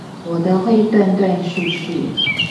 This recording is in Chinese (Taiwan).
我的會斷斷續續